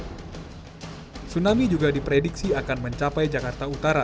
tsunami juga diprediksi akan mencapai jakarta utara